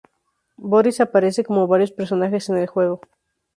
Boris aparece como varios personajes en el juego.